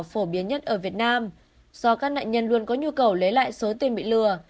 phổ biến nhất ở việt nam do các nạn nhân luôn có nhu cầu lấy lại số tiền bị lừa